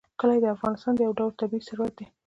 کلي د افغانستان یو ډول طبعي ثروت دی.